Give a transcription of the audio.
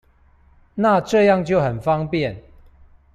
那這樣就很方便